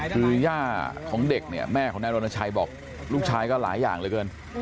คือย่าของเด็กเนี่ยแม่ของนายรณชัยบอกลูกชายก็หลายอย่างเหลือเกิน